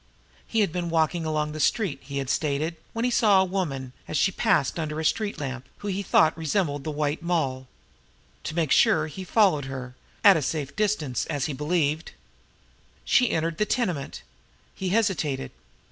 He had been walking along the street, he had stated, when he saw a woman, as she passed under a street lamp, who he thought resembled the White Moll. To make sure, he followed her at a safe distance, as he believed. She entered the tenement. He hesitated.